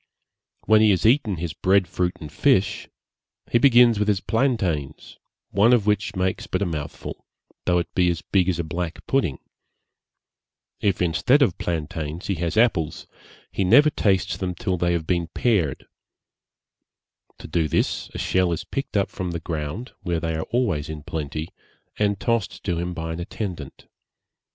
When he has eaten his bread fruit and fish, he begins with his plantains, one of which makes but a mouthful, though it be as big as a black pudding; if instead of plantains he has apples, he never tastes them till they have been pared; to do this a shell is picked up from the ground, where they are always in plenty, and tossed to him by an attendant.